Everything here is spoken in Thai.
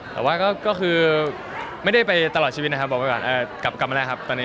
แต่ว่าก็ไม่ได้ไปตลอดชีวิตนะครับกลับมาแล้วครับตอนนี้